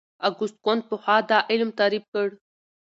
اګوست کُنت پخوا دا علم تعریف کړ.